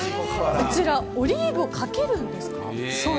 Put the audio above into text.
こちらオリーブをかけるんですか？